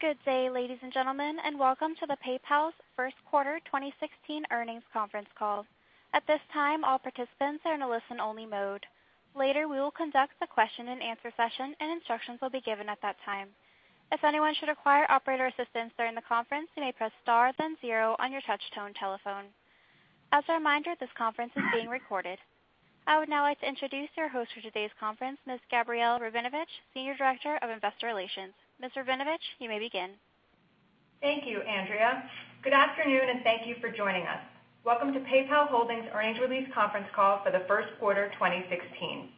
Good day, ladies and gentlemen, and welcome to the PayPal's first quarter 2016 earnings conference call. At this time, all participants are in a listen-only mode. Later, we will conduct a question and answer session. Instructions will be given at that time. If anyone should require operator assistance during the conference, you may press star then zero on your touch-tone telephone. As a reminder, this conference is being recorded. I would now like to introduce your host for today's conference, Ms. Gabrielle Rabinovitch, Senior Director of Investor Relations. Ms. Rabinovitch, you may begin. Thank you, Andrea. Good afternoon. Thank you for joining us. Welcome to PayPal Holdings' earnings release conference call for the first quarter 2016.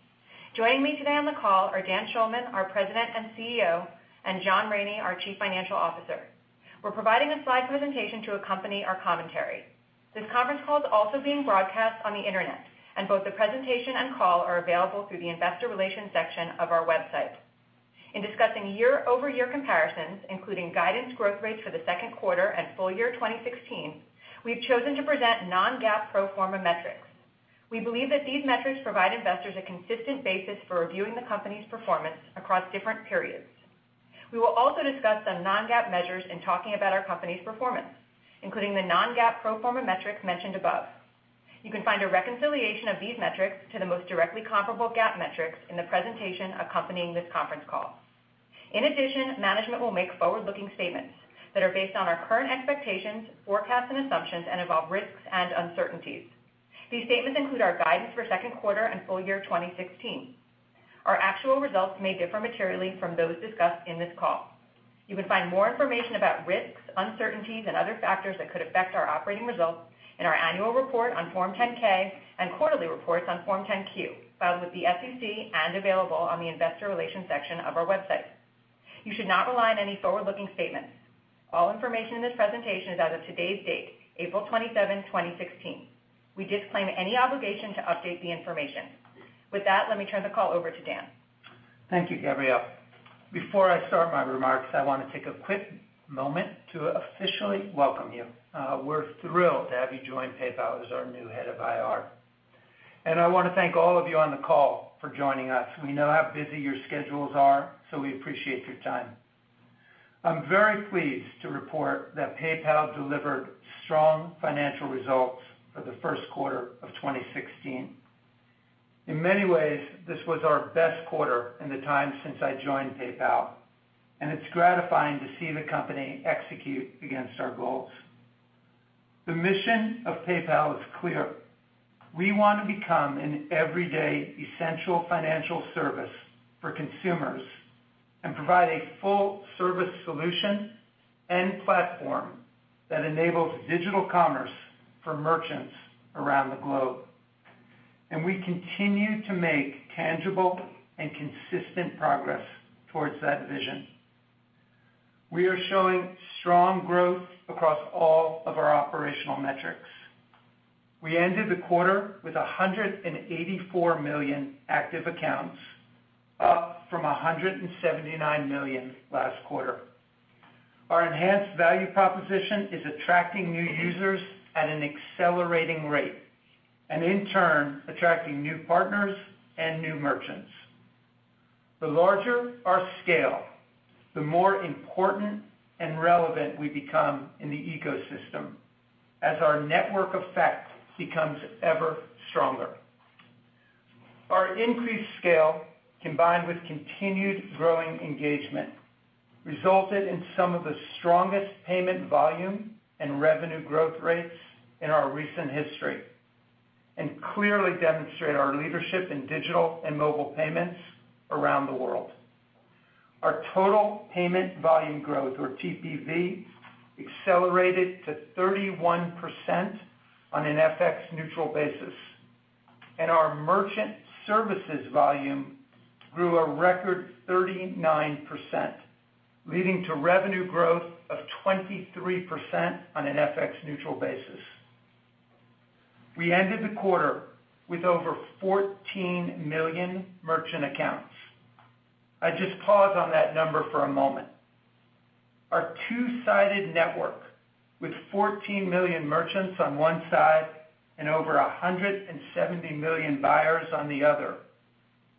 Joining me today on the call are Dan Schulman, our President and CEO, and John Rainey, our Chief Financial Officer. We're providing a slide presentation to accompany our commentary. This conference call is also being broadcast on the internet. Both the presentation and call are available through the investor relations section of our website. In discussing year-over-year comparisons, including guidance growth rates for the second quarter and full year 2016, we've chosen to present non-GAAP pro forma metrics. We believe that these metrics provide investors a consistent basis for reviewing the company's performance across different periods. We will also discuss some non-GAAP measures in talking about our company's performance, including the non-GAAP pro forma metrics mentioned above. You can find a reconciliation of these metrics to the most directly comparable GAAP metrics in the presentation accompanying this conference call. Management will make forward-looking statements that are based on our current expectations, forecasts, and assumptions and involve risks and uncertainties. These statements include our guidance for second quarter and full year 2016. Our actual results may differ materially from those discussed in this call. You can find more information about risks, uncertainties, and other factors that could affect our operating results in our annual report on Form 10-K and quarterly reports on Form 10-Q, filed with the SEC and available on the investor relations section of our website. You should not rely on any forward-looking statements. All information in this presentation is as of today's date, April 27, 2016. We disclaim any obligation to update the information. With that, let me turn the call over to Dan. Thank you, Gabrielle. Before I start my remarks, I want to take a quick moment to officially welcome you. We're thrilled to have you join PayPal as our new head of IR. I want to thank all of you on the call for joining us. We know how busy your schedules are, we appreciate your time. I'm very pleased to report that PayPal delivered strong financial results for the first quarter of 2016. In many ways, this was our best quarter in the time since I joined PayPal, and it's gratifying to see the company execute against our goals. The mission of PayPal is clear. We want to become an everyday essential financial service for consumers and provide a full-service solution and platform that enables digital commerce for merchants around the globe. We continue to make tangible and consistent progress towards that vision. We are showing strong growth across all of our operational metrics. We ended the quarter with 184 million active accounts, up from 179 million last quarter. Our enhanced value proposition is attracting new users at an accelerating rate, and in turn, attracting new partners and new merchants. The larger our scale, the more important and relevant we become in the ecosystem as our network effect becomes ever stronger. Our increased scale, combined with continued growing engagement, resulted in some of the strongest payment volume and revenue growth rates in our recent history and clearly demonstrate our leadership in digital and mobile payments around the world. Our total payment volume growth, or TPV, accelerated to 31% on an FX neutral basis, and our merchant services volume grew a record 39%, leading to revenue growth of 23% on an FX neutral basis. We ended the quarter with over 14 million merchant accounts. I just pause on that number for a moment. Our two-sided network with 14 million merchants on one side and over 170 million buyers on the other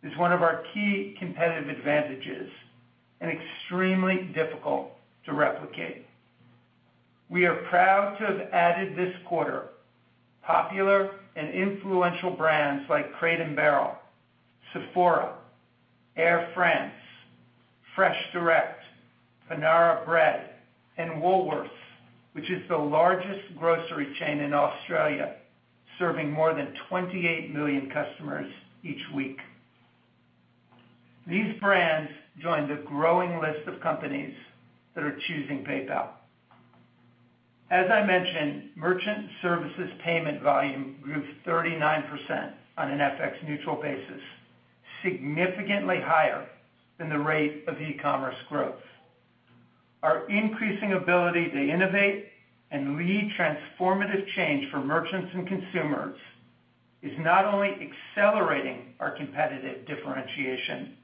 is one of our key competitive advantages and extremely difficult to replicate. We are proud to have added this quarter popular and influential brands like Crate & Barrel, Sephora, Air France, FreshDirect, Panera Bread, and Woolworths, which is the largest grocery chain in Australia, serving more than 28 million customers each week. These brands join the growing list of companies that are choosing PayPal. As I mentioned, merchant services payment volume grew 39% on an FX neutral basis, significantly higher than the rate of e-commerce growth. Our increasing ability to innovate and lead transformative change for merchants and consumers is not only accelerating our competitive differentiation,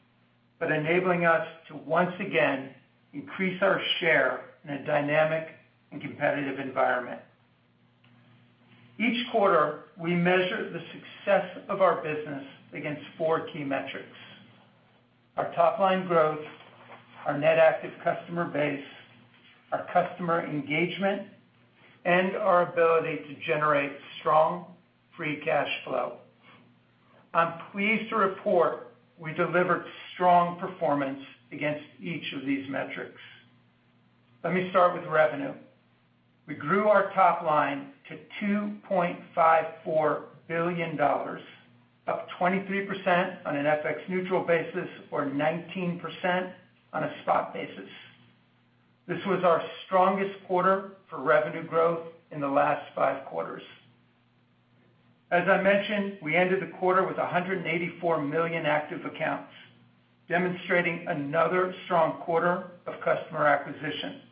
but enabling us to once again increase our share in a dynamic and competitive environment. Each quarter, we measure the success of our business against four key metrics: our top-line growth, our net active customer base, our customer engagement, and our ability to generate strong free cash flow. I'm pleased to report we delivered strong performance against each of these metrics. Let me start with revenue. We grew our top line to $2.54 billion, up 23% on an FX neutral basis or 19% on a spot basis. This was our strongest quarter for revenue growth in the last five quarters. As I mentioned, we ended the quarter with 184 million active accounts, demonstrating another strong quarter of customer acquisition.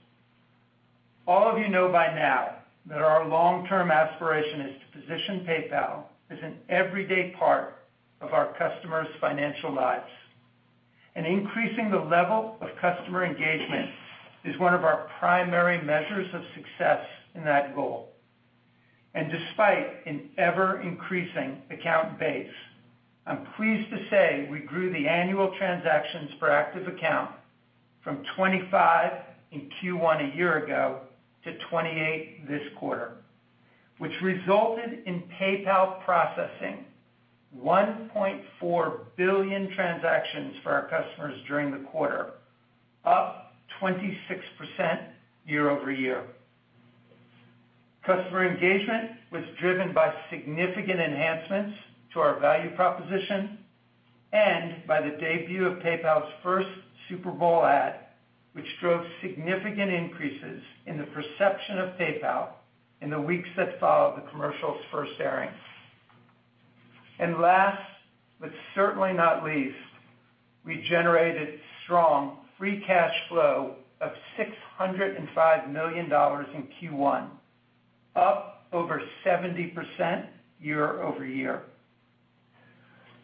All of you know by now that our long-term aspiration is to position PayPal as an everyday part of our customers' financial lives, and increasing the level of customer engagement is one of our primary measures of success in that goal. Despite an ever-increasing account base, I'm pleased to say we grew the annual transactions per active account from 25 in Q1 a year ago to 28 this quarter, which resulted in PayPal processing 1.4 billion transactions for our customers during the quarter, up 26% year-over-year. Customer engagement was driven by significant enhancements to our value proposition and by the debut of PayPal's first Super Bowl ad, which drove significant increases in the perception of PayPal in the weeks that followed the commercial's first airing. Last, but certainly not least, we generated strong free cash flow of $605 million in Q1, up over 70% year-over-year.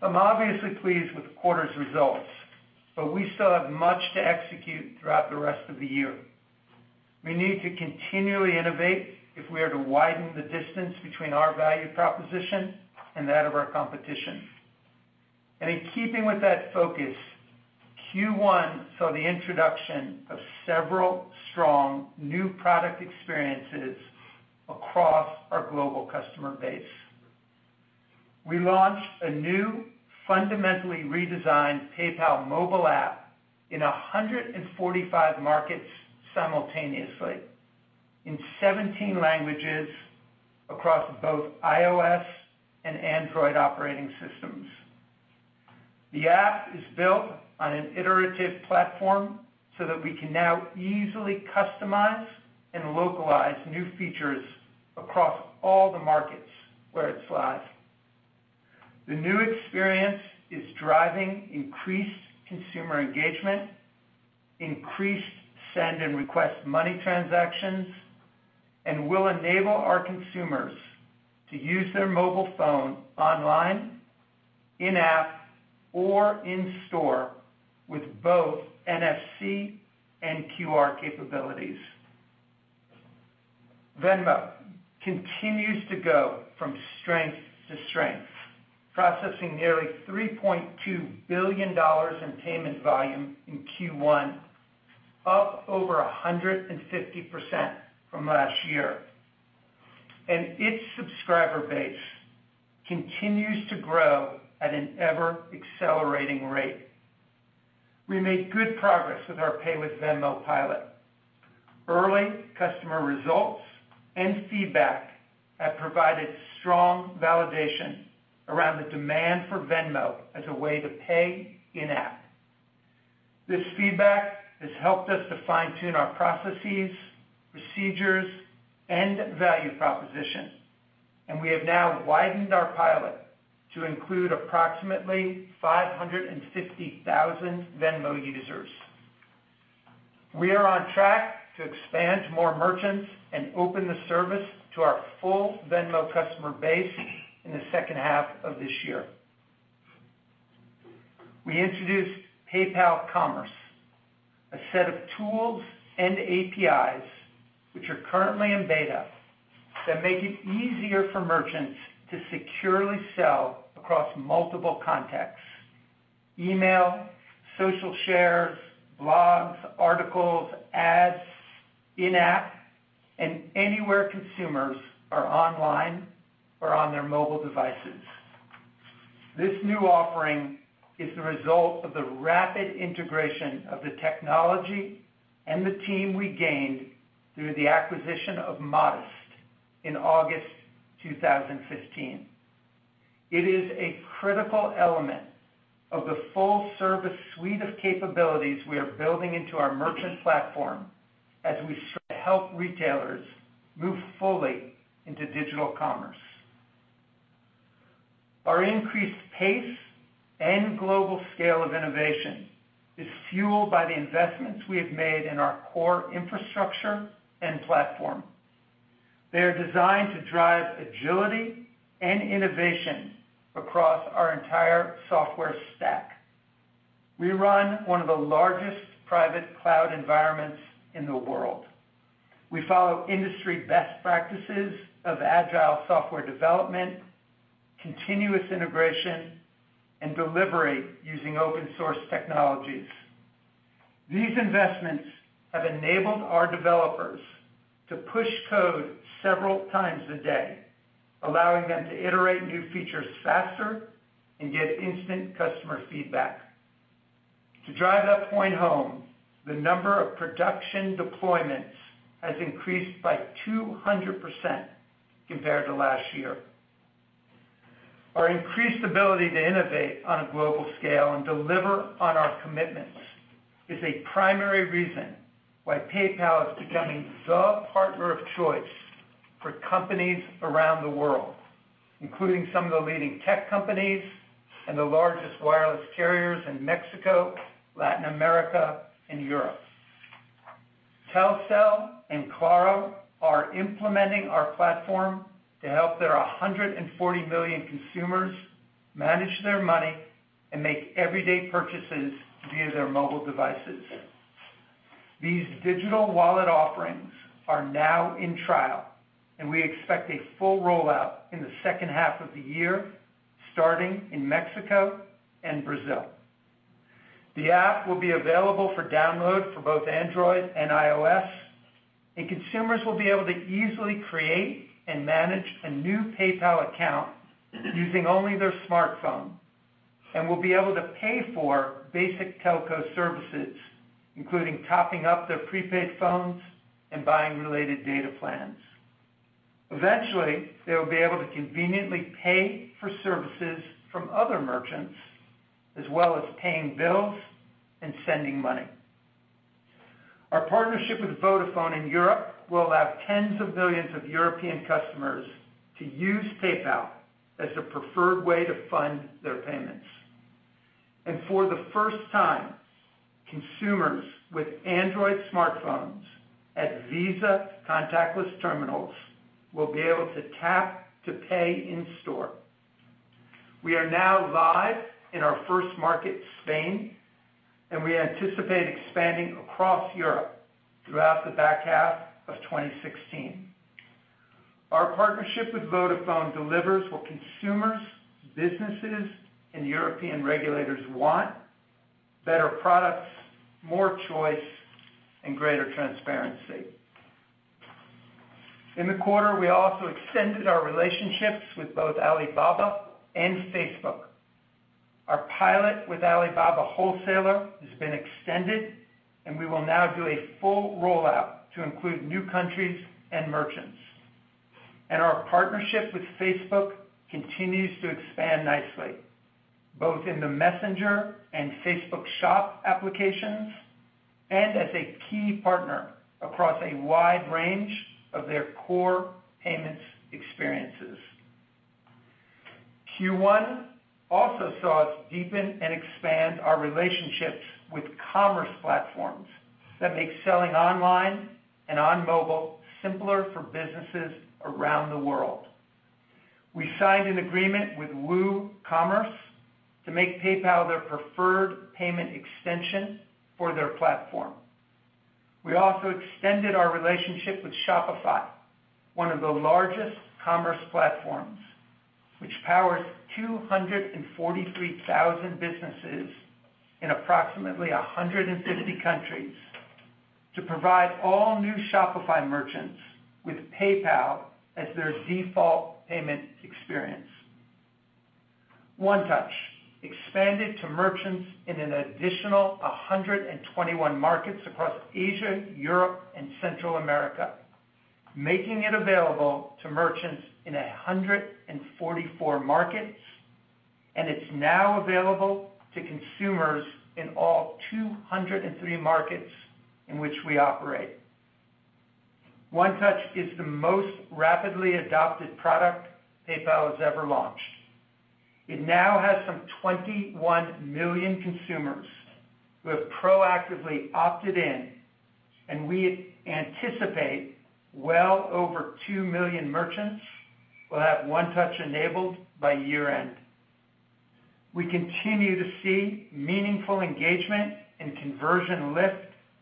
I'm obviously pleased with the quarter's results, but we still have much to execute throughout the rest of the year. We need to continually innovate if we are to widen the distance between our value proposition and that of our competition. In keeping with that focus, Q1 saw the introduction of several strong new product experiences across our global customer base. We launched a new fundamentally redesigned PayPal mobile app in 145 markets simultaneously, in 17 languages across both iOS and Android operating systems. The app is built on an iterative platform so that we can now easily customize and localize new features across all the markets where it's live. The new experience is driving increased consumer engagement, increased send and request money transactions, and will enable our consumers to use their mobile phone online, in-app, or in store with both NFC and QR capabilities. Venmo continues to go from strength to strength, processing nearly $3.2 billion in payment volume in Q1, up over 150% from last year. Its subscriber base continues to grow at an ever-accelerating rate. We made good progress with our Pay with Venmo pilot. Early customer results and feedback have provided strong validation around the demand for Venmo as a way to pay in-app. This feedback has helped us to fine-tune our processes, procedures, and value proposition, and we have now widened our pilot to include approximately 550,000 Venmo users. We are on track to expand to more merchants and open the service to our full Venmo customer base in the second half of this year. We introduced PayPal Commerce, a set of tools and APIs, which are currently in beta, that make it easier for merchants to securely sell across multiple contexts: email, social shares, blogs, articles, ads, in-app, and anywhere consumers are online or on their mobile devices. This new offering is the result of the rapid integration of the technology and the team we gained through the acquisition of Modest in August 2015. It is a critical element of the full-service suite of capabilities we are building into our merchant platform as we help retailers move fully into digital commerce. Our increased pace and global scale of innovation is fueled by the investments we have made in our core infrastructure and platform. They are designed to drive agility and innovation across our entire software stack. We run one of the largest private cloud environments in the world. We follow industry best practices of agile software development, continuous integration, and delivery using open source technologies. These investments have enabled our developers to push code several times a day, allowing them to iterate new features faster and get instant customer feedback. To drive that point home, the number of production deployments has increased by 200% compared to last year. Our increased ability to innovate on a global scale and deliver on our commitments is a primary reason why PayPal is becoming the partner of choice for companies around the world, including some of the leading tech companies and the largest wireless carriers in Mexico, Latin America, and Europe. Telcel and Claro are implementing our platform to help their 140 million consumers manage their money and make everyday purchases via their mobile devices. These digital wallet offerings are now in trial, and we expect a full rollout in the second half of the year, starting in Mexico and Brazil. The app will be available for download for both Android and iOS, and consumers will be able to easily create and manage a new PayPal account using only their smartphone and will be able to pay for basic telco services, including topping up their prepaid phones and buying related data plans. Eventually, they will be able to conveniently pay for services from other merchants, as well as paying bills and sending money. Our partnership with Vodafone in Europe will allow tens of millions of European customers to use PayPal as their preferred way to fund their payments. For the first time, consumers with Android smartphones at Visa contactless terminals will be able to tap to pay in store. We are now live in our first market, Spain, and we anticipate expanding across Europe throughout the back half of 2016. Our partnership with Vodafone delivers what consumers, businesses, and European regulators want: better products, more choice, and greater transparency. In the quarter, we also extended our relationships with both Alibaba and Facebook. Our pilot with Alibaba Wholesale has been extended, and we will now do a full rollout to include new countries and merchants. Our partnership with Facebook continues to expand nicely, both in the Messenger and Facebook Shops applications, and as a key partner across a wide range of their core payments experiences. Q1 also saw us deepen and expand our relationships with commerce platforms that make selling online and on mobile simpler for businesses around the world. We signed an agreement with WooCommerce to make PayPal their preferred payment extension for their platform. We also extended our relationship with Shopify, one of the largest commerce platforms, which powers 243,000 businesses in approximately 150 countries to provide all new Shopify merchants with PayPal as their default payment experience. One Touch expanded to merchants in an additional 121 markets across Asia, Europe, and Central America, making it available to merchants in 144 markets, and it's now available to consumers in all 203 markets in which we operate. One Touch is the most rapidly adopted product PayPal has ever launched. It now has some 21 million consumers who have proactively opted in, and we anticipate well over two million merchants will have One Touch enabled by year-end. We continue to see meaningful engagement and conversion lift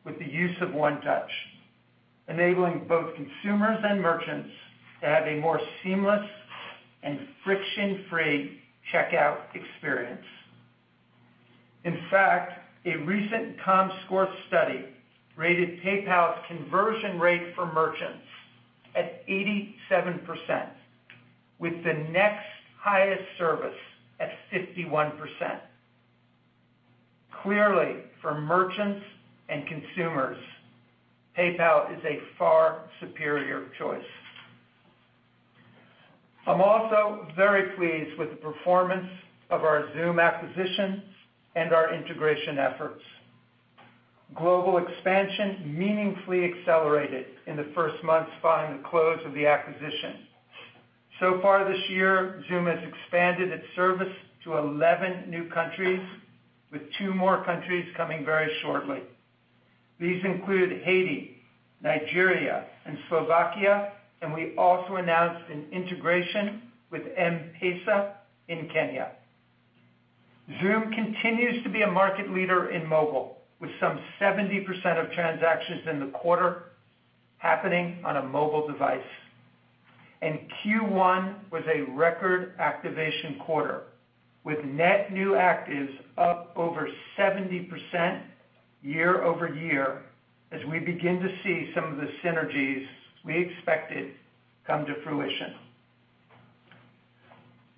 with the use of One Touch, enabling both consumers and merchants to have a more seamless and friction-free checkout experience. In fact, a recent Comscore study rated PayPal's conversion rate for merchants at 87%, with the next highest service at 51%. Clearly, for merchants and consumers, PayPal is a far superior choice. I'm also very pleased with the performance of our Xoom acquisition and our integration efforts. Global expansion meaningfully accelerated in the first months following the close of the acquisition. Far this year, Xoom has expanded its service to 11 new countries, with two more countries coming very shortly. These include Haiti, Nigeria, and Slovakia, and we also announced an integration with M-PESA in Kenya. Xoom continues to be a market leader in mobile, with some 70% of transactions in the quarter happening on a mobile device. Q1 was a record activation quarter, with net new actives up over 70% year-over-year as we begin to see some of the synergies we expected come to fruition.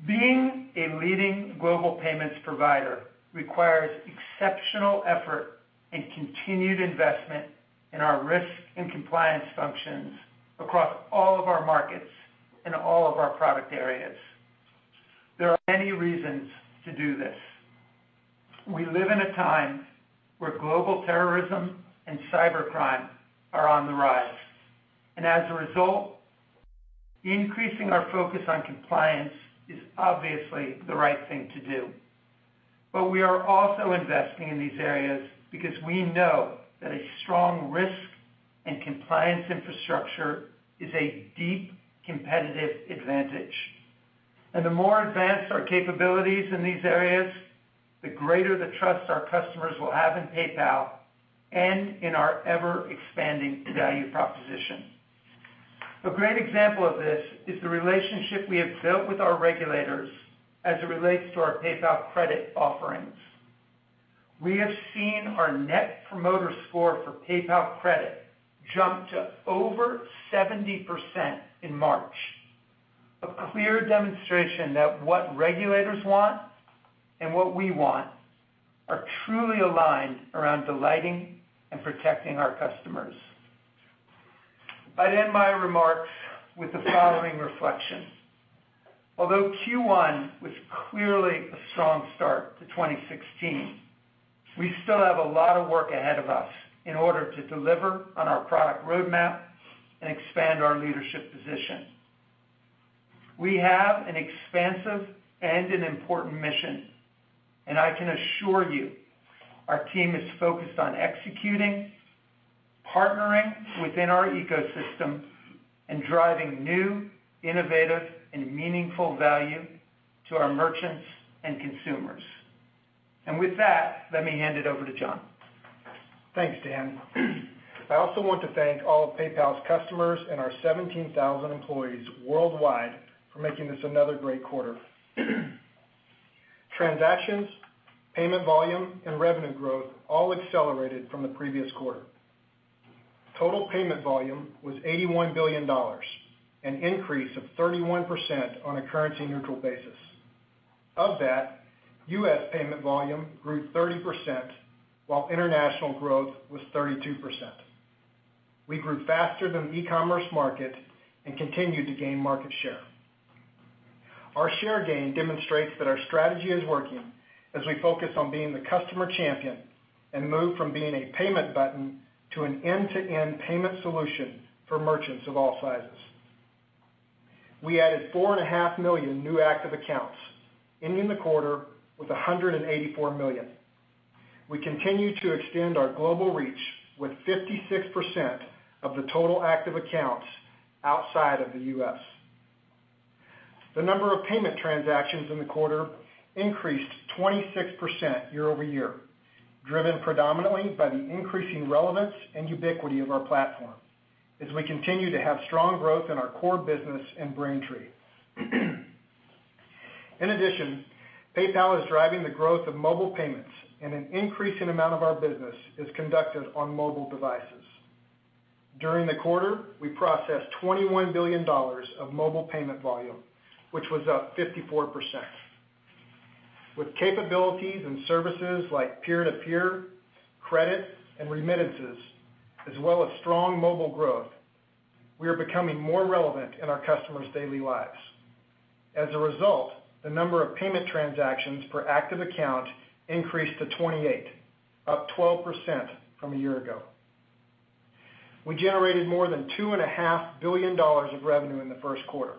Being a leading global payments provider requires exceptional effort and continued investment in our risk and compliance functions across all of our markets and all of our product areas. There are many reasons to do this. We live in a time where global terrorism and cybercrime are on the rise, as a result, increasing our focus on compliance is obviously the right thing to do. We are also investing in these areas because we know that a strong risk and compliance infrastructure is a deep competitive advantage, and the more advanced our capabilities in these areas, the greater the trust our customers will have in PayPal and in our ever-expanding value proposition. A great example of this is the relationship we have built with our regulators as it relates to our PayPal Credit offerings. We have seen our Net Promoter Score for PayPal Credit jump to over 70% in March, a clear demonstration that what regulators want and what we want are truly aligned around delighting and protecting our customers. I'd end my remarks with the following reflection. Although Q1 was clearly a strong start to 2016, we still have a lot of work ahead of us in order to deliver on our product roadmap and expand our leadership position. We have an expansive and an important mission, and I can assure you our team is focused on executing, partnering within our ecosystem, and driving new, innovative, and meaningful value to our merchants and consumers. With that, let me hand it over to John. Thanks, Dan. I also want to thank all of PayPal's customers and our 17,000 employees worldwide for making this another great quarter. Transactions, payment volume, and revenue growth all accelerated from the previous quarter. Total payment volume was $81 billion, an increase of 31% on a currency neutral basis. Of that, U.S. payment volume grew 30%, while international growth was 32%. We grew faster than the e-commerce market and continued to gain market share. Our share gain demonstrates that our strategy is working as we focus on being the customer champion and move from being a payment button to an end-to-end payment solution for merchants of all sizes. We added 4.5 million new active accounts, ending the quarter with 184 million. We continue to extend our global reach with 56% of the total active accounts outside of the U.S. The number of payment transactions in the quarter increased 26% year-over-year, driven predominantly by the increasing relevance and ubiquity of our platform as we continue to have strong growth in our core business and Braintree. In addition, PayPal is driving the growth of mobile payments, and an increasing amount of our business is conducted on mobile devices. During the quarter, we processed $21 billion of mobile payment volume, which was up 54%. With capabilities and services like peer-to-peer, credit, and remittances, as well as strong mobile growth, we are becoming more relevant in our customers' daily lives. As a result, the number of payment transactions per active account increased to 28, up 12% from a year ago. We generated more than $2.5 billion of revenue in the first quarter,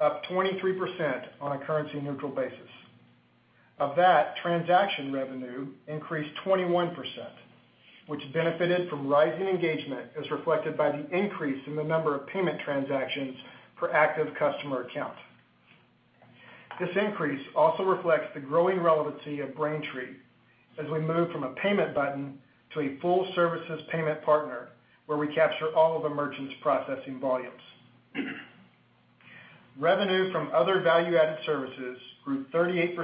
up 23% on a currency neutral basis. Of that, transaction revenue increased 21%, which benefited from rising engagement as reflected by the increase in the number of payment transactions per active customer account. This increase also reflects the growing relevancy of Braintree as we move from a payment button to a full services payment partner where we capture all of a merchant's processing volumes. Revenue from other value-added services grew 38%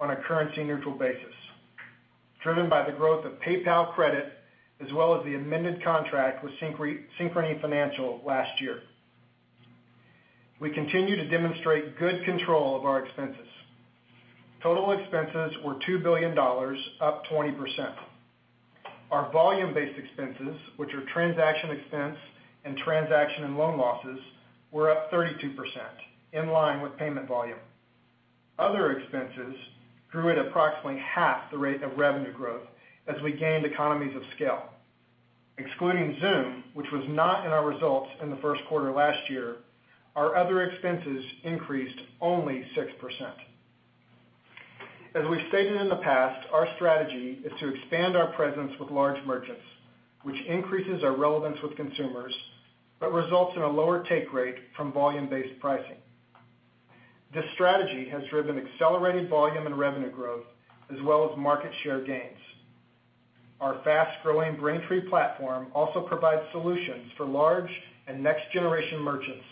on a currency neutral basis, driven by the growth of PayPal Credit as well as the amended contract with Synchrony Financial last year. We continue to demonstrate good control of our expenses. Total expenses were $2 billion, up 20%. Our volume-based expenses, which are transaction expense and transaction and loan losses, were up 32%, in line with payment volume. Other expenses grew at approximately half the rate of revenue growth as we gained economies of scale. Excluding Xoom, which was not in our results in the first quarter last year, our other expenses increased only 6%. As we've stated in the past, our strategy is to expand our presence with large merchants, which increases our relevance with consumers, but results in a lower take rate from volume-based pricing. This strategy has driven accelerated volume and revenue growth, as well as market share gains. Our fast-growing Braintree platform also provides solutions for large and next-generation merchants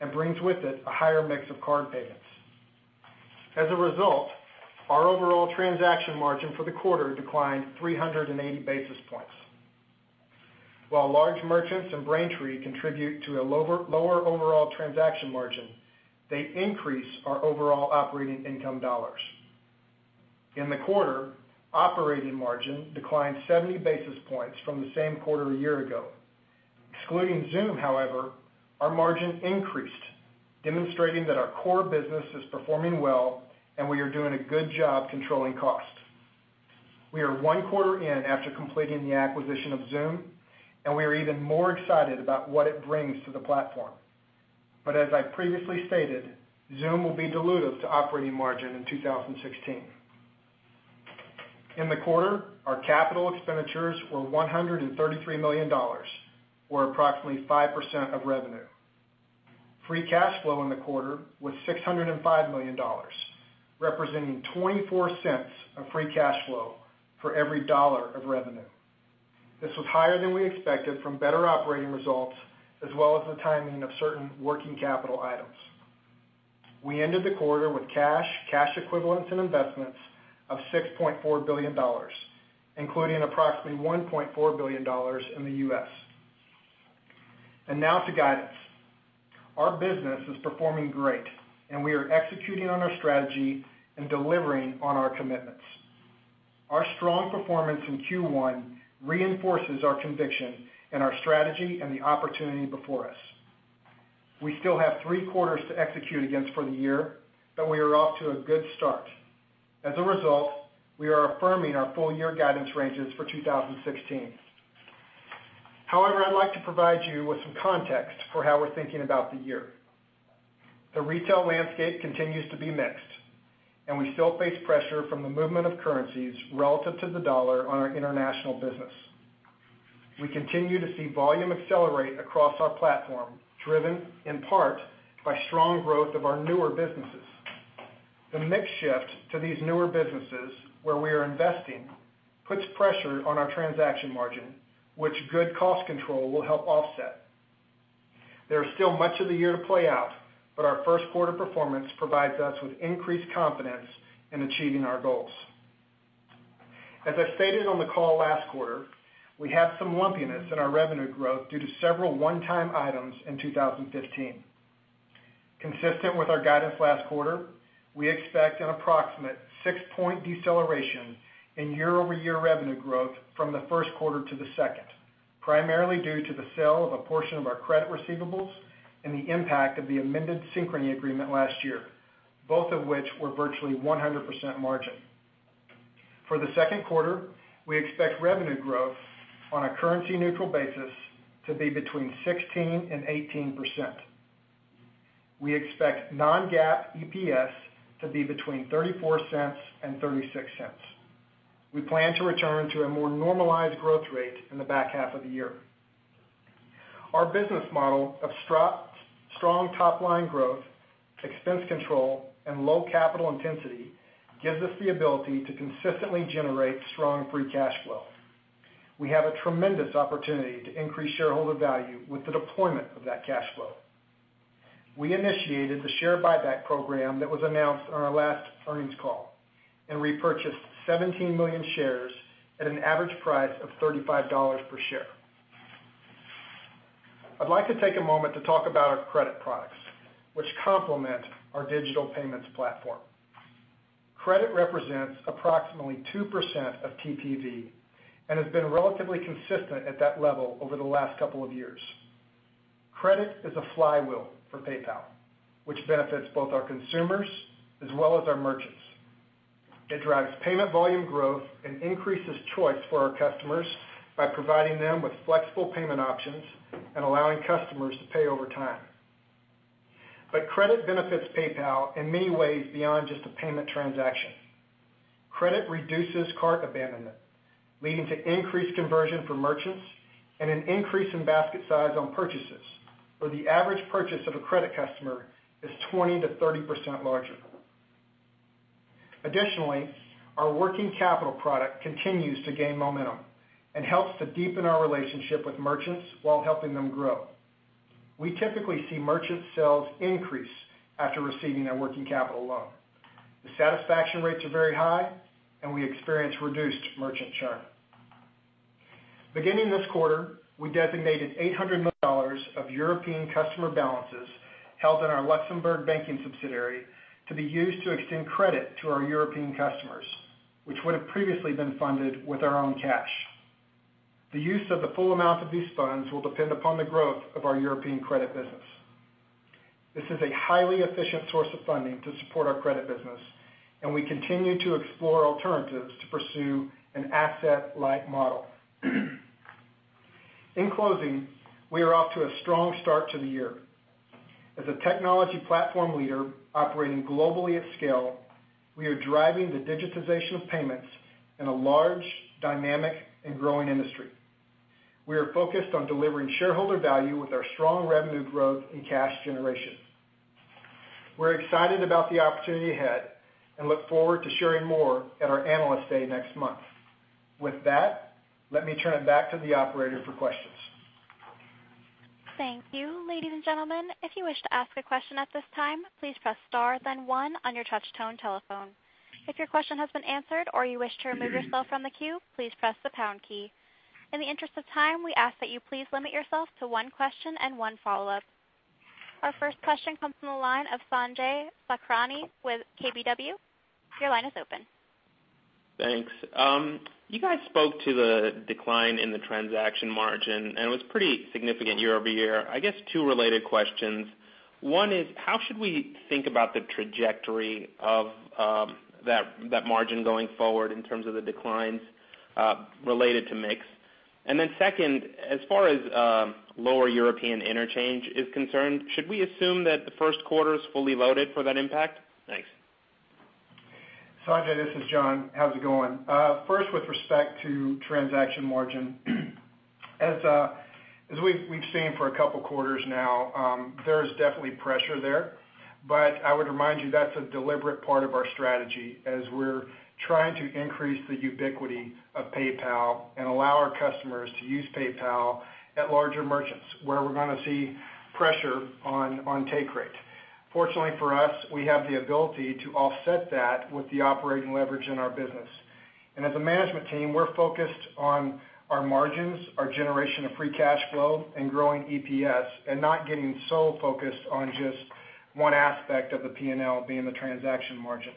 and brings with it a higher mix of card payments. As a result, our overall transaction margin for the quarter declined 380 basis points. While large merchants and Braintree contribute to a lower overall transaction margin, they increase our overall operating income dollars. In the quarter, operating margin declined 70 basis points from the same quarter a year ago. Excluding Xoom, however, our margin increased, demonstrating that our core business is performing well, and we are doing a good job controlling costs. We are one quarter in after completing the acquisition of Xoom, and we are even more excited about what it brings to the platform. As I previously stated, Xoom will be dilutive to operating margin in 2016. In the quarter, our capital expenditures were $133 million, or approximately 5% of revenue. Free cash flow in the quarter was $605 million, representing $0.24 of free cash flow for every dollar of revenue. This was higher than we expected from better operating results, as well as the timing of certain working capital items. We ended the quarter with cash equivalents, and investments of $6.4 billion, including approximately $1.4 billion in the U.S. Now to guidance. Our business is performing great. We are executing on our strategy and delivering on our commitments. Our strong performance in Q1 reinforces our conviction in our strategy and the opportunity before us. We still have three quarters to execute against for the year, but we are off to a good start. As a result, we are affirming our full-year guidance ranges for 2016. However, I'd like to provide you with some context for how we're thinking about the year. The retail landscape continues to be mixed. We still face pressure from the movement of currencies relative to the dollar on our international business. We continue to see volume accelerate across our platform, driven in part by strong growth of our newer businesses. The mix shift to these newer businesses, where we are investing, puts pressure on our transaction margin, which good cost control will help offset. There is still much of the year to play out, but our first quarter performance provides us with increased confidence in achieving our goals. As I stated on the call last quarter, we have some lumpiness in our revenue growth due to several one-time items in 2015. Consistent with our guidance last quarter, we expect an approximate six-point deceleration in year-over-year revenue growth from the first quarter to the second, primarily due to the sale of a portion of our credit receivables and the impact of the amended Synchrony agreement last year, both of which were virtually 100% margin. For the second quarter, we expect revenue growth on a currency-neutral basis to be between 16% and 18%. We expect non-GAAP EPS to be between $0.34 and $0.36. We plan to return to a more normalized growth rate in the back half of the year. Our business model of strong top-line growth, expense control, and low capital intensity gives us the ability to consistently generate strong free cash flow. We have a tremendous opportunity to increase shareholder value with the deployment of that cash flow. We initiated the share buyback program that was announced on our last earnings call and repurchased 17 million shares at an average price of $35 per share. I'd like to take a moment to talk about our credit products, which complement our digital payments platform. Credit represents approximately 2% of TPV and has been relatively consistent at that level over the last couple of years. Credit is a flywheel for PayPal, which benefits both our consumers as well as our merchants. It drives payment volume growth and increases choice for our customers by providing them with flexible payment options and allowing customers to pay over time. Credit benefits PayPal in many ways beyond just a payment transaction. Credit reduces cart abandonment, leading to increased conversion for merchants and an increase in basket size on purchases, where the average purchase of a credit customer is 20%-30% larger. Additionally, our PayPal Working Capital product continues to gain momentum and helps to deepen our relationship with merchants while helping them grow. We typically see merchant sales increase after receiving their PayPal Working Capital loan. The satisfaction rates are very high. We experience reduced merchant churn. Beginning this quarter, we designated $800 million of European customer balances held in our Luxembourg banking subsidiary to be used to extend credit to our European customers, which would have previously been funded with our own cash. The use of the full amount of these funds will depend upon the growth of our European credit business. This is a highly efficient source of funding to support our credit business. We continue to explore alternatives to pursue an asset-light model. In closing, we are off to a strong start to the year. As a technology platform leader operating globally at scale, we are driving the digitization of payments in a large, dynamic, and growing industry. We are focused on delivering shareholder value with our strong revenue growth and cash generation. We're excited about the opportunity ahead and look forward to sharing more at our Analyst Day next month. With that, let me turn it back to the operator for questions. Thank you. Ladies and gentlemen, if you wish to ask a question at this time, please press star then one on your touch-tone telephone. If your question has been answered or you wish to remove yourself from the queue, please press the pound key. In the interest of time, we ask that you please limit yourself to one question and one follow-up. Our first question comes from the line of Sanjay Sakhrani with KBW. Your line is open. Thanks. You guys spoke to the decline in the transaction margin. It was pretty significant year-over-year. I guess two related questions. One is, how should we think about the trajectory of that margin going forward in terms of the declines related to mix? Second, as far as lower European interchange is concerned, should we assume that the first quarter is fully loaded for that impact? Thanks. Sanjay, this is John. How's it going? First, with respect to transaction margin. As we've seen for a couple of quarters now, there's definitely pressure there. I would remind you that's a deliberate part of our strategy as we're trying to increase the ubiquity of PayPal and allow our customers to use PayPal at larger merchants, where we're gonna see pressure on take rate. Fortunately for us, we have the ability to offset that with the operating leverage in our business. As a management team, we're focused on our margins, our generation of free cash flow, and growing EPS and not getting so focused on just one aspect of the P&L being the transaction margin.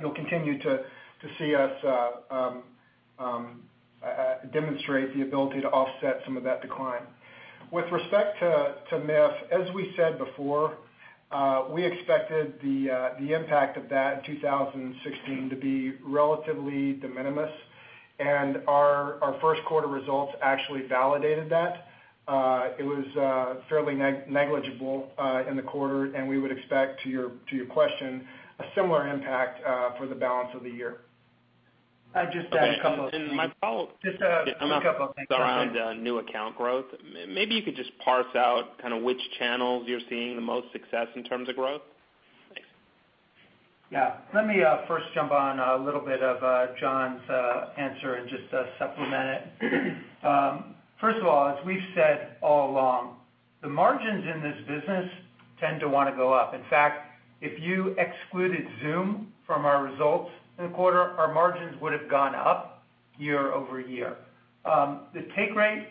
You'll continue to see us demonstrate the ability to offset some of that decline. With respect to MIF, as we said before, we expected the impact of that 2016 to be relatively de minimis, and our first quarter results actually validated that. It was fairly negligible in the quarter, and we would expect, to your question, a similar impact for the balance of the year. I'd just add a couple of things. My follow-up around new account growth. Maybe you could just parse out which channels you're seeing the most success in terms of growth. Thanks. Yeah. Let me first jump on a little bit of John's answer and just supplement it. First of all, as we've said all along, the margins in this business tend to want to go up. In fact, if you excluded Xoom from our results in the quarter, our margins would have gone up year-over-year. The take rate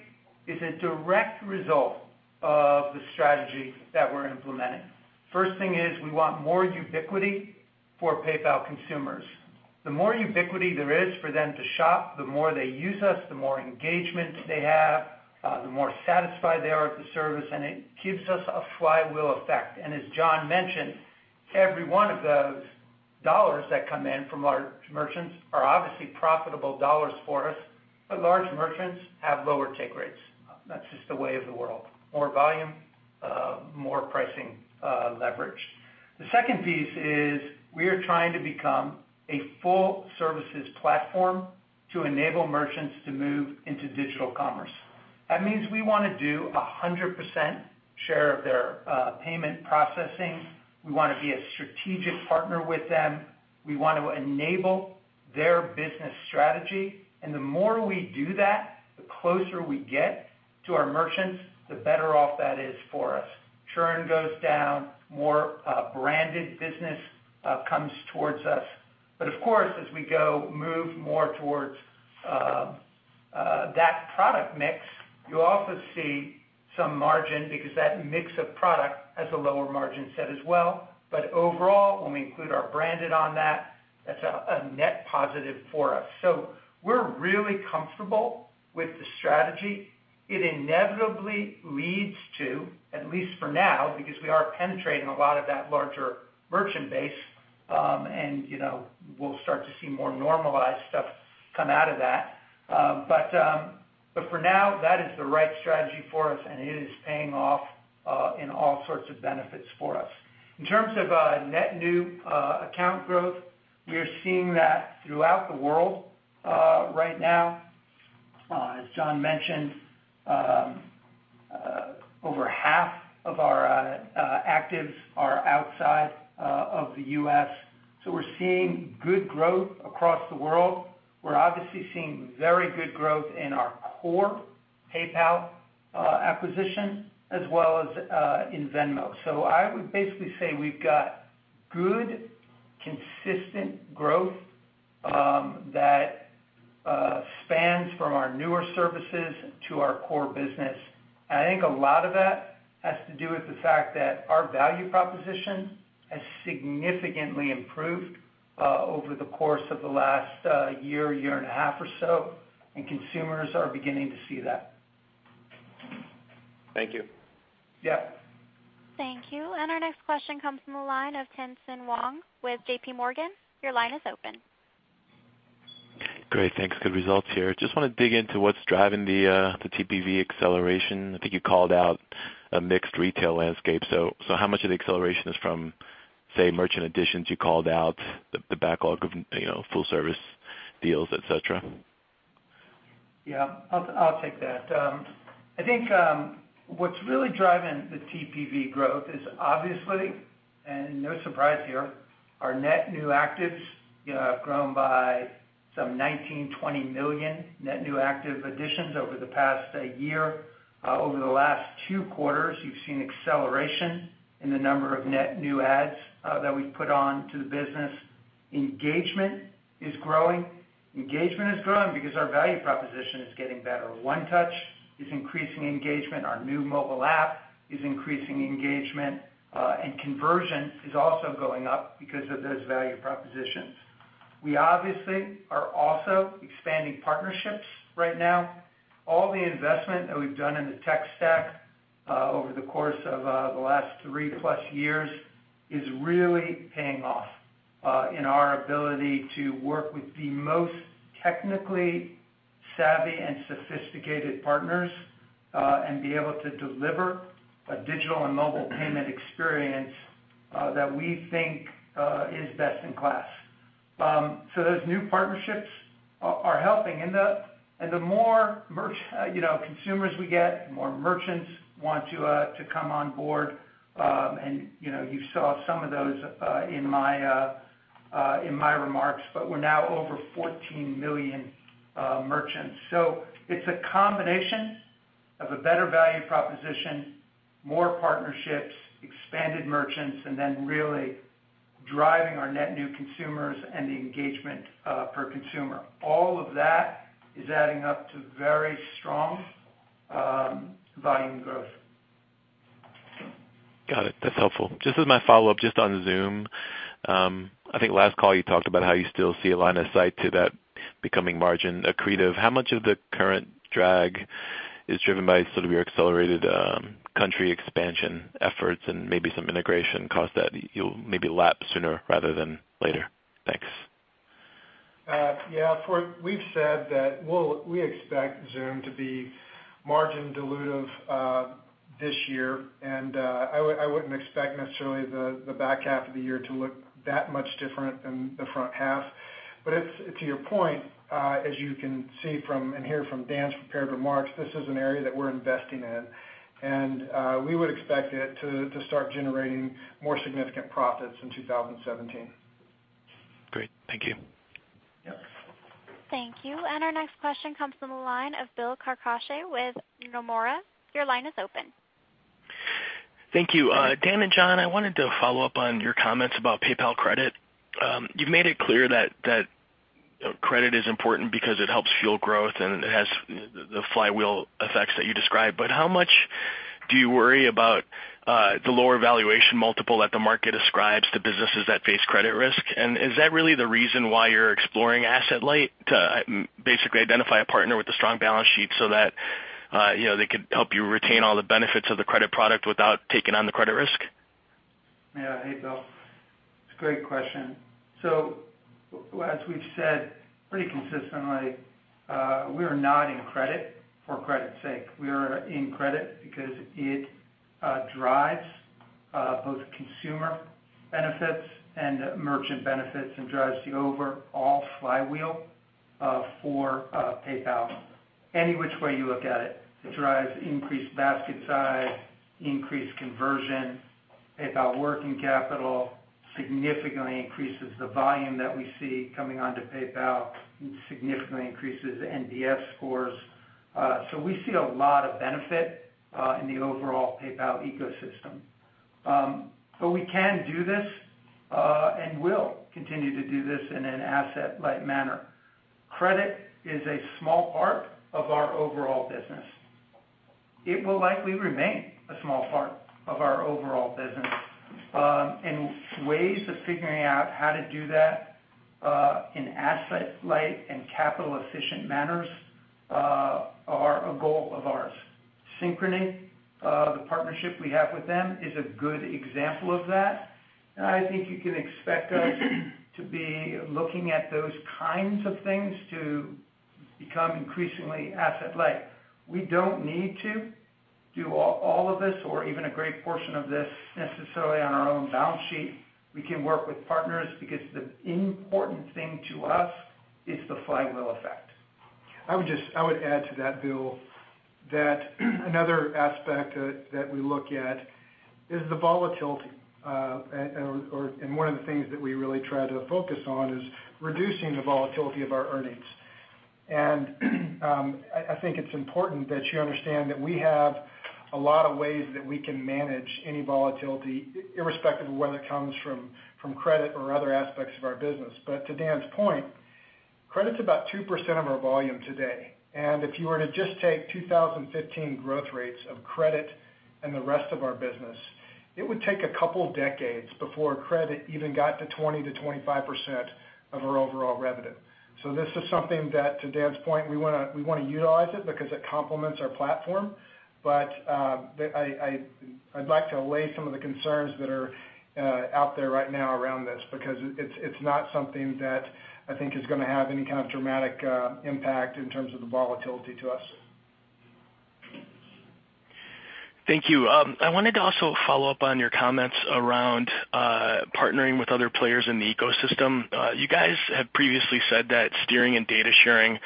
is a direct result of the strategy that we're implementing. First thing is we want more ubiquity for PayPal consumers. The more ubiquity there is for them to shop, the more they use us, the more engagement they have, the more satisfied they are with the service, and it gives us a flywheel effect. As John mentioned, every one of those dollars that come in from large merchants are obviously profitable dollars for us, but large merchants have lower take rates. That's just the way of the world. More volume, more pricing leverage. The second piece is we are trying to become a full services platform to enable merchants to move into digital commerce. That means we want to do 100% share of their payment processing. We want to be a strategic partner with them. We want to enable their business strategy. The more we do that, the closer we get to our merchants, the better off that is for us. Churn goes down, more branded business comes towards us. Of course, as we move more towards that product mix, you also see some margin because that mix of product has a lower margin set as well. Overall, when we include our branded on that's a net positive for us. We're really comfortable with the strategy. It inevitably leads to, at least for now, because we are penetrating a lot of that larger merchant base, and we'll start to see more normalized stuff come out of that. For now, that is the right strategy for us, and it is paying off in all sorts of benefits for us. In terms of net new account growth, we are seeing that throughout the world right now. As John mentioned, over half of our actives are outside of the U.S. We're seeing good growth across the world. We're obviously seeing very good growth in our core PayPal acquisition as well as in Venmo. I would basically say we've got good, consistent growth that spans from our newer services to our core business. I think a lot of that has to do with the fact that our value proposition has significantly improved over the course of the last year and a half or so, consumers are beginning to see that. Thank you. Yeah. Thank you. Our next question comes from the line of Tien-Tsin Huang with J.P. Morgan. Your line is open. Great, thanks. Good results here. Just want to dig into what's driving the TPV acceleration. I think you called out a mixed retail landscape. How much of the acceleration is from, say, merchant additions you called out, the backlog of full service deals, et cetera? Yeah, I'll take that. I think what's really driving the TPV growth is obviously, no surprise here, our net new actives have grown by some 19, 20 million net new active additions over the past year. Over the last two quarters, you've seen acceleration in the number of net new adds that we've put on to the business. Engagement is growing. Engagement is growing because our value proposition is getting better. One Touch is increasing engagement. Our new mobile app is increasing engagement. Conversion is also going up because of those value propositions. We obviously are also expanding partnerships right now. All the investment that we've done in the tech stack over the course of the last three plus years is really paying off in our ability to work with the most technically savvy and sophisticated partners, and be able to deliver a digital and mobile payment experience that we think is best in class. Those new partnerships are helping. The more consumers we get, the more merchants want to come on board. You saw some of those in my remarks, but we're now over 14 million merchants. It's a combination of a better value proposition, more partnerships, expanded merchants, really driving our net new consumers and the engagement per consumer. All of that is adding up to very strong volume growth. Got it. That's helpful. Just as my follow-up, just on Xoom. I think last call you talked about how you still see a line of sight to that becoming margin accretive. How much of the current drag is driven by sort of your accelerated country expansion efforts and maybe some integration cost that you'll maybe lap sooner rather than later? Thanks. Yeah. We've said that we expect Xoom to be margin dilutive this year. I wouldn't expect necessarily the back half of the year to look that much different than the front half. To your point, as you can see from and hear from Dan's prepared remarks, this is an area that we're investing in, and we would expect it to start generating more significant profits in 2017. Great. Thank you. Yeah. Thank you. Our next question comes from the line of Bill Carcache with Nomura. Your line is open. Thank you. Dan and John, I wanted to follow up on your comments about PayPal Credit. You've made it clear that credit is important because it helps fuel growth and it has the flywheel effects that you described. How much do you worry about the lower valuation multiple that the market ascribes to businesses that face credit risk? Is that really the reason why you're exploring asset-light to basically identify a partner with a strong balance sheet so that they could help you retain all the benefits of the credit product without taking on the credit risk? Yeah. Hey, Bill. It's a great question. As we've said pretty consistently, we are not in credit for credit's sake. We are in credit because it drives both consumer benefits and merchant benefits, and drives the overall flywheel for PayPal. Any which way you look at it drives increased basket size, increased conversion, PayPal Working Capital, significantly increases the volume that we see coming onto PayPal, and significantly increases the NPS scores. We see a lot of benefit in the overall PayPal ecosystem. We can do this, and will continue to do this in an asset-light manner. Credit is a small part of our overall business. It will likely remain a small part of our overall business. Ways of figuring out how to do that in asset-light and capital efficient manners are a goal of ours. Synchrony, the partnership we have with them is a good example of that. I think you can expect us to be looking at those kinds of things to become increasingly asset-light. We don't need to do all of this or even a great portion of this necessarily on our own balance sheet. We can work with partners because the important thing to us is the flywheel effect. I would add to that, Bill, that another aspect that we look at is the volatility, one of the things that we really try to focus on is reducing the volatility of our earnings. I think it's important that you understand that we have a lot of ways that we can manage any volatility, irrespective of whether it comes from credit or other aspects of our business. To Dan's point, credit's about 2% of our volume today. If you were to just take 2015 growth rates of credit and the rest of our business, it would take a couple decades before credit even got to 20% to 25% of our overall revenue. This is something that, to Dan's point, we want to utilize it because it complements our platform. I'd like to allay some of the concerns that are out there right now around this, because it's not something that I think is going to have any kind of dramatic impact in terms of the volatility to us. Thank you. I wanted to also follow up on your comments around partnering with other players in the ecosystem. You guys have previously said that steering and data sharing were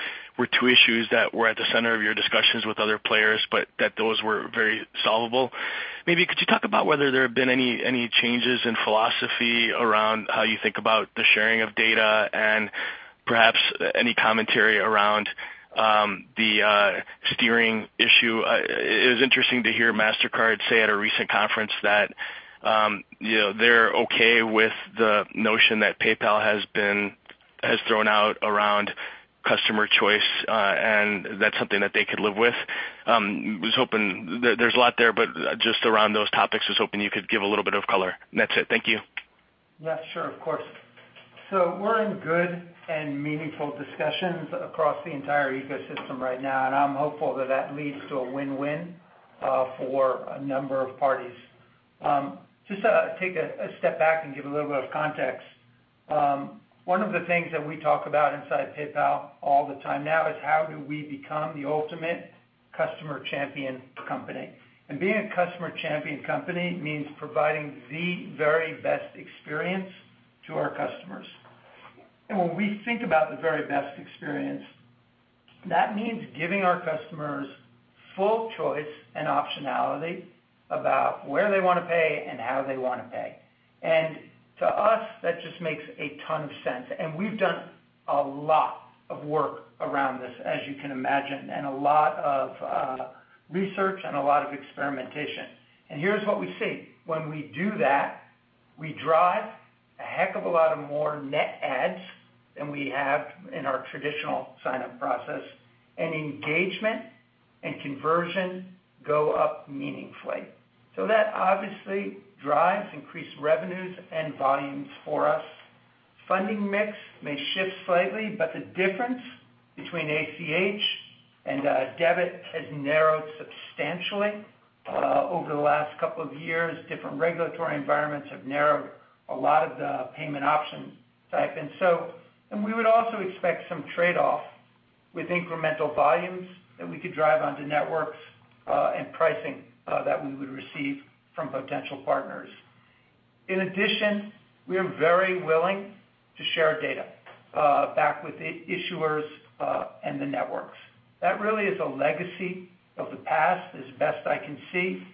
2 issues that were at the center of your discussions with other players, but that those were very solvable. Could you talk about whether there have been any changes in philosophy around how you think about the sharing of data and perhaps any commentary around the steering issue? It was interesting to hear Mastercard say at a recent conference that they're okay with the notion that PayPal has thrown out around customer choice, and that's something that they could live with. There's a lot there, just around those topics, I was hoping you could give a little bit of color. That's it. Thank you. Yeah, sure. Of course. We're in good and meaningful discussions across the entire ecosystem right now, and I'm hopeful that leads to a win-win for a number of parties. Just to take a step back and give a little bit of context, 1 of the things that we talk about inside PayPal all the time now is how do we become the ultimate customer champion company? Being a customer champion company means providing the very best experience to our customers. When we think about the very best experience, that means giving our customers full choice and optionality about where they want to pay and how they want to pay. To us, that just makes a ton of sense. We've done a lot of work around this, as you can imagine, and a lot of research and a lot of experimentation. Here's what we see. When we do that, we drive a heck of a lot of more net adds than we have in our traditional sign-up process, and engagement and conversion go up meaningfully. That obviously drives increased revenues and volumes for us. Funding mix may shift slightly, but the difference between ACH and debit has narrowed substantially over the last couple of years. Different regulatory environments have narrowed a lot of the payment options type. We would also expect some trade-off with incremental volumes that we could drive onto networks and pricing that we would receive from potential partners. In addition, we are very willing to share data back with the issuers and the networks. That really is a legacy of the past as best I can see.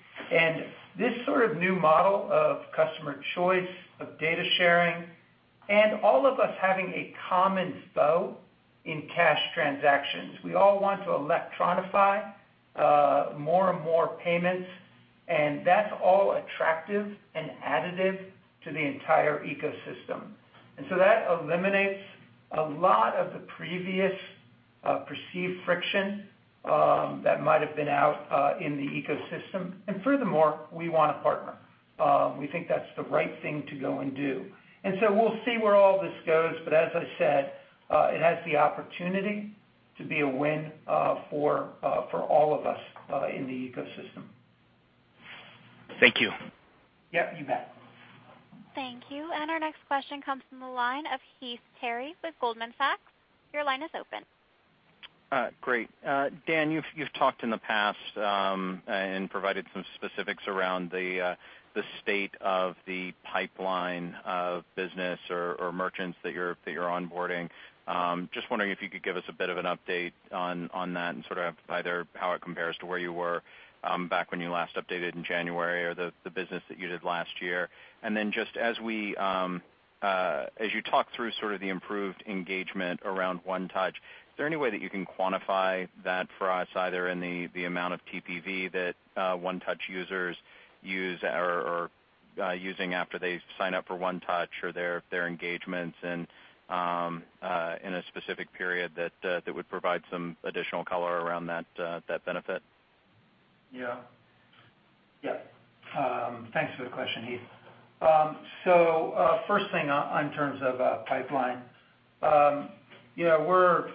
This sort of new model of customer choice, of data sharing, and all of us having a common foe in cash transactions. We all want to electronify more and more payments, and that's all attractive and additive to the entire ecosystem. That eliminates a lot of the previous perceived friction that might have been out in the ecosystem. Furthermore, we want to partner. We think that's the right thing to go and do. We'll see where all this goes, as I said, it has the opportunity to be a win for all of us in the ecosystem. Thank you. Yep, you bet. Thank you. Our next question comes from the line of Heath Terry with Goldman Sachs. Your line is open. Great. Dan, you've talked in the past and provided some specifics around the state of the pipeline of business or merchants that you're onboarding. Just wondering if you could give us a bit of an update on that and sort of either how it compares to where you were back when you last updated in January or the business that you did last year. Then just as you talk through sort of the improved engagement around One Touch, is there any way that you can quantify that for us, either in the amount of TPV that One Touch users use or are using after they sign up for One Touch or their engagements in a specific period that would provide some additional color around that benefit? Thanks for the question, Heath. First thing in terms of pipeline. We're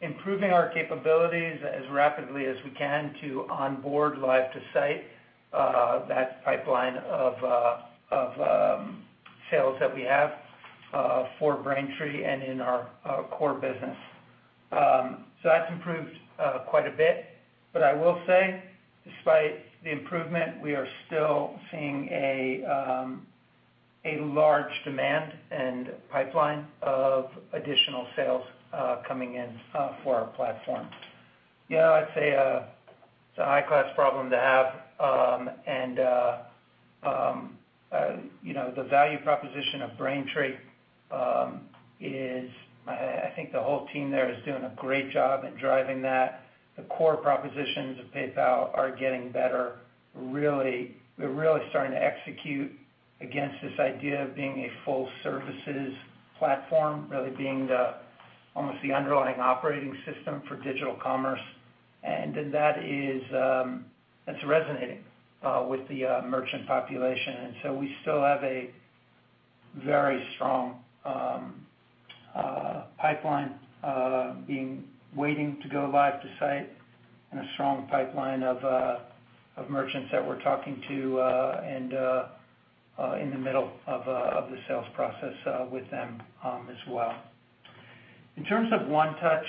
improving our capabilities as rapidly as we can to onboard live to site that pipeline of sales that we have for Braintree and in our core business. That's improved quite a bit, but I will say despite the improvement, we are still seeing a large demand and pipeline of additional sales coming in for our platform. I'd say it's a high-class problem to have. The value proposition of Braintree is, I think the whole team there is doing a great job at driving that. The core propositions of PayPal are getting better really We're really starting to execute against this idea of being a full services platform, really being almost the underlying operating system for digital commerce. That's resonating with the merchant population. We still have a very strong pipeline being waiting to go live to site and a strong pipeline of merchants that we're talking to in the middle of the sales process with them as well. In terms of One Touch,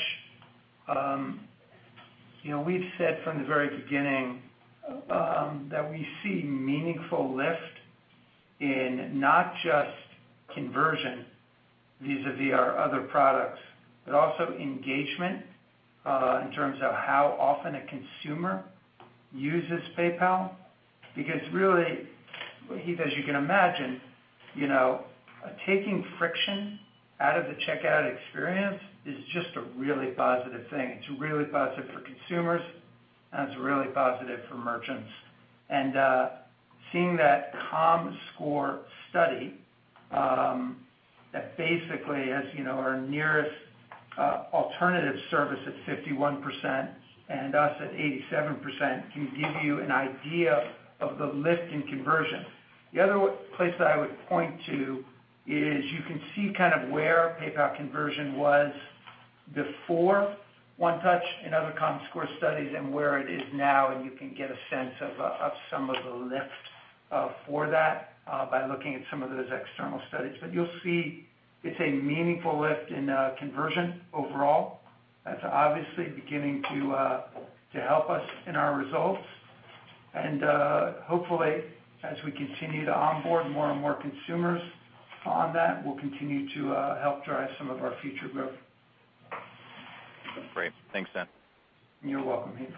we've said from the very beginning that we see meaningful lift in not just conversion vis-a-vis our other products, but also engagement, in terms of how often a consumer uses PayPal. Because really, Heath, as you can imagine, taking friction out of the checkout experience is just a really positive thing. It's really positive for consumers, and it's really positive for merchants. Seeing that Comscore study that basically has our nearest alternative service at 51% and us at 87% can give you an idea of the lift in conversion. The other place that I would point to is you can see where PayPal conversion was before One Touch in other Comscore studies and where it is now, and you can get a sense of some of the lift for that by looking at some of those external studies. You'll see it's a meaningful lift in conversion overall. That's obviously beginning to help us in our results. Hopefully, as we continue to onboard more and more consumers on that, we'll continue to help drive some of our future growth. Great. Thanks, Dan. You're welcome, Heath.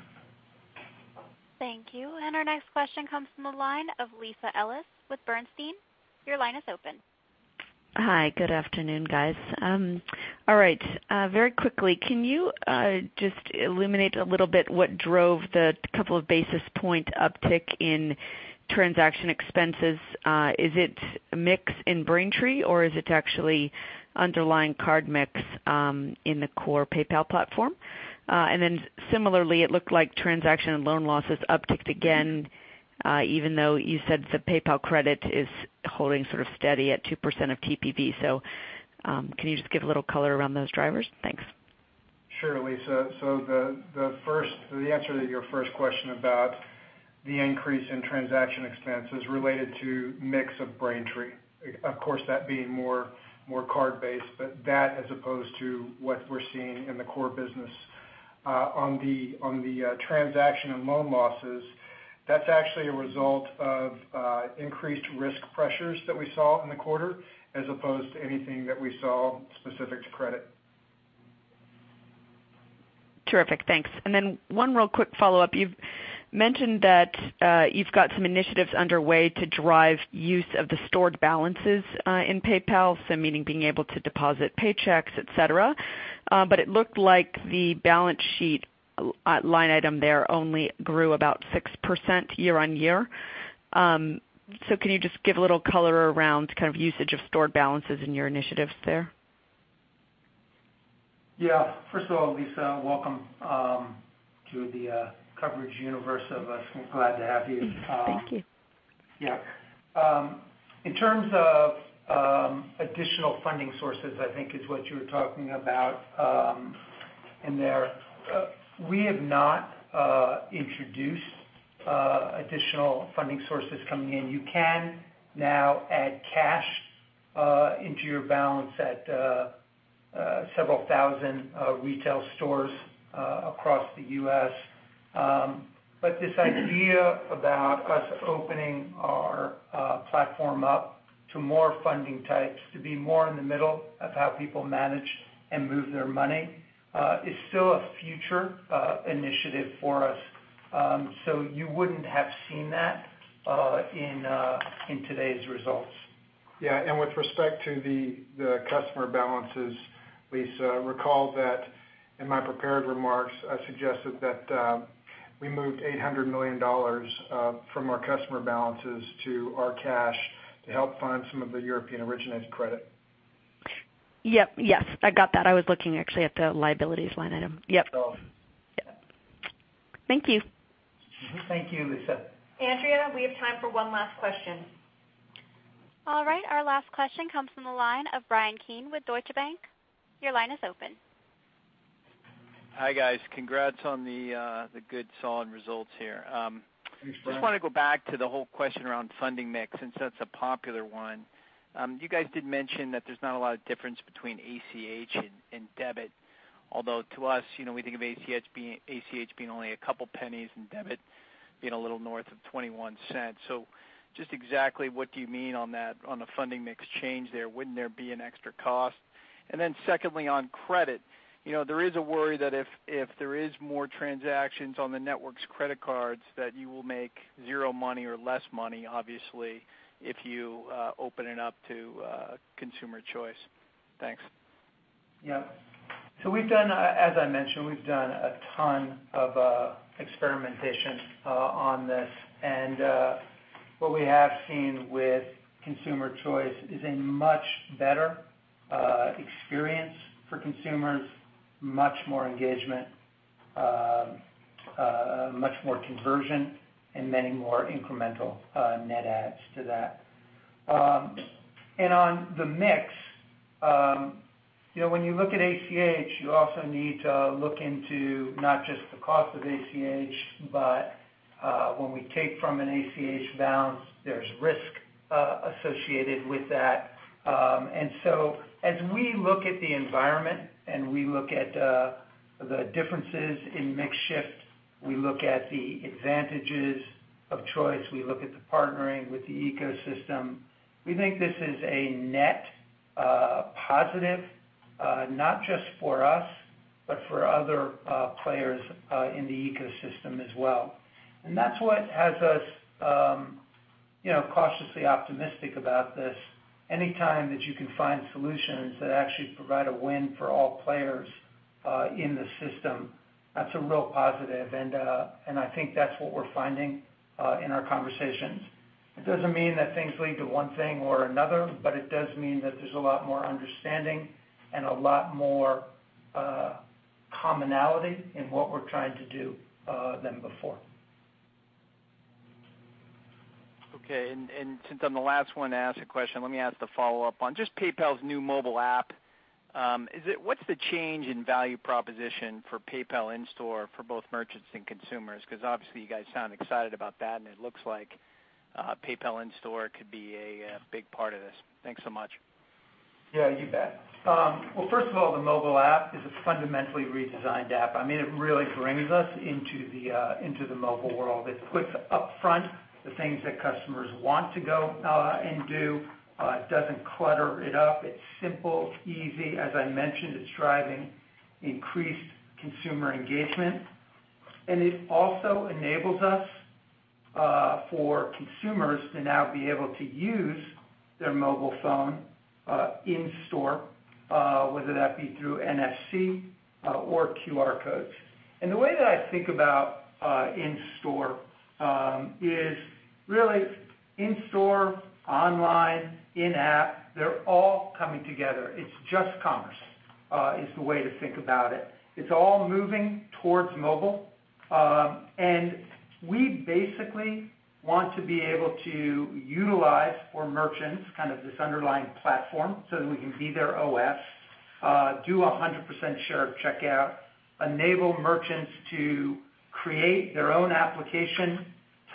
Thank you. Our next question comes from the line of Lisa Ellis with Bernstein. Your line is open. Hi, good afternoon, guys. All right. Very quickly, can you just illuminate a little bit what drove the couple of basis point uptick in transaction expenses? Is it mix in Braintree, or is it actually underlying card mix in the core PayPal platform? Similarly, it looked like transaction and loan losses upticked again, even though you said the PayPal Credit is holding sort of steady at 2% of TPV. Can you just give a little color around those drivers? Thanks. Sure, Lisa. The answer to your first question about the increase in transaction expense is related to mix of Braintree. Of course, that being more card-based, but that as opposed to what we're seeing in the core business. On the transaction and loan losses, that's actually a result of increased risk pressures that we saw in the quarter as opposed to anything that we saw specific to credit. Terrific. Thanks. One real quick follow-up. You've mentioned that you've got some initiatives underway to drive use of the stored balances in PayPal, meaning being able to deposit paychecks, et cetera. It looked like the balance sheet line item there only grew about 6% year-on-year. Can you just give a little color around usage of stored balances in your initiatives there? First of all, Lisa, welcome to the coverage universe of us. We're glad to have you. Thank you. In terms of additional funding sources, I think is what you were talking about in there. We have not introduced additional funding sources coming in. You can now add cash into your balance at several thousand retail stores across the U.S. This idea about us opening our platform up to more funding types to be more in the middle of how people manage and move their money is still a future initiative for us. You wouldn't have seen that in today's results. Yeah. With respect to the customer balances, Lisa, recall that in my prepared remarks, I suggested that we moved $800 million from our customer balances to our cash to help fund some of the European originated credit. Yep. Yes, I got that. I was looking actually at the liabilities line item. Yep. So. Yeah. Thank you. Thank you, Lisa. Andrea, we have time for one last question. All right. Our last question comes from the line of Bryan Keane with Deutsche Bank. Your line is open. Hi, guys. Congrats on the good solid results here. Thanks, Bryan. Just want to go back to the whole question around funding mix, since that's a popular one. You guys did mention that there's not a lot of difference between ACH and debit, although to us, we think of ACH being only $0.02 and debit being a little north of $0.21. Just exactly what do you mean on the funding mix change there? Wouldn't there be an extra cost? Secondly, on credit, there is a worry that if there is more transactions on the network's credit cards, that you will make $0 or less money, obviously, if you open it up to consumer choice. Thanks. Yep. As I mentioned, we've done a ton of experimentation on this. What we have seen with consumer choice is a much better experience for consumers, much more engagement, much more conversion, and many more incremental net adds to that. On the mix, when you look at ACH, you also need to look into not just the cost of ACH, but when we take from an ACH balance, there's risk associated with that. As we look at the environment and we look at the differences in mix shift, we look at the advantages of choice, we look at the partnering with the ecosystem, we think this is a net positive, not just for us, but for other players in the ecosystem as well. That's what has us cautiously optimistic about this. Anytime that you can find solutions that actually provide a win for all players in the system, that's a real positive. I think that's what we're finding in our conversations. It doesn't mean that things lead to one thing or another, but it does mean that there's a lot more understanding and a lot more commonality in what we're trying to do than before. Okay. Since I'm the last one to ask a question, let me ask the follow-up on just PayPal's new mobile app. What's the change in value proposition for PayPal in-store for both merchants and consumers? Obviously you guys sound excited about that, and it looks like PayPal in-store could be a big part of this. Thanks so much. Yeah, you bet. Well, first of all, the mobile app is a fundamentally redesigned app. It really brings us into the mobile world. It puts upfront the things that customers want to go and do. It doesn't clutter it up. It's simple, it's easy. As I mentioned, it's driving increased consumer engagement. It also enables us for consumers to now be able to use their mobile phone in store, whether that be through NFC or QR codes. The way that I think about in store is really in store, online, in-app, they're all coming together. It's just commerce is the way to think about it. It's all moving towards mobile. We basically want to be able to utilize for merchants, kind of this underlying platform so that we can be their OS, do 100% share of checkout, enable merchants to create their own application,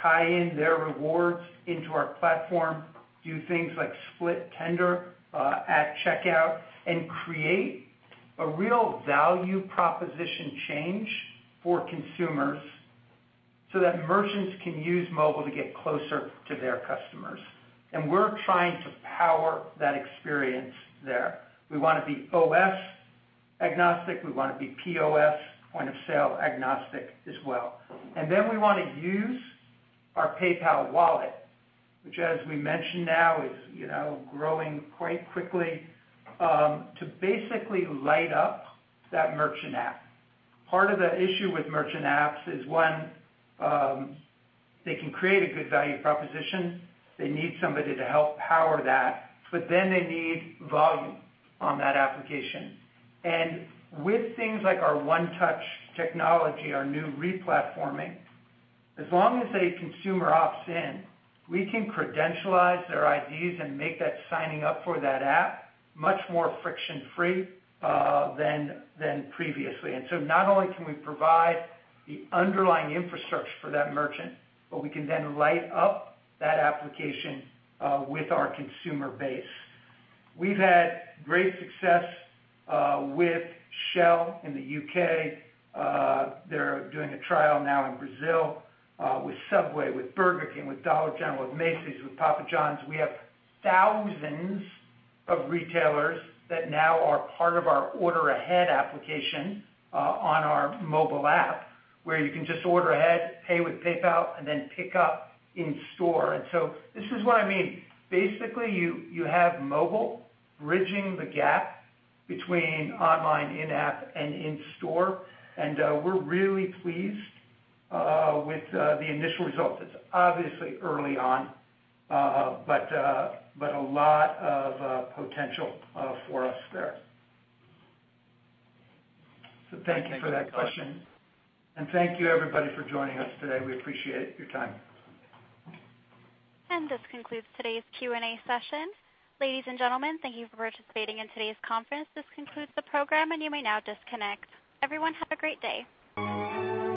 tie in their rewards into our platform, do things like split tender at checkout, create a real value proposition change for consumers so that merchants can use mobile to get closer to their customers. We're trying to power that experience there. We want to be OS agnostic. We want to be POS, point of sale agnostic as well. We want to use our PayPal wallet, which as we mentioned now is growing quite quickly, to basically light up that merchant app. Part of the issue with merchant apps is, one, they can create a good value proposition. They need somebody to help power that, they need volume on that application. With things like our One Touch technology, our new re-platforming, as long as a consumer opts in, we can credentialize their IDs and make that signing up for that app much more friction-free than previously. Not only can we provide the underlying infrastructure for that merchant, but we can then light up that application with our consumer base. We've had great success with Shell in the U.K. They're doing a trial now in Brazil, with Subway, with Burger King, with Dollar General, with Macy's, with Papa John's. We have thousands of retailers that now are part of our order ahead application on our mobile app, where you can just order ahead, pay with PayPal, pick up in store. This is what I mean. Basically, you have mobile bridging the gap between online, in-app, and in-store. We're really pleased with the initial results. It's obviously early on, but a lot of potential for us there. Thank you for that question. Thank you everybody for joining us today. We appreciate your time. This concludes today's Q&A session. Ladies and gentlemen, thank you for participating in today's conference. This concludes the program, and you may now disconnect. Everyone have a great day.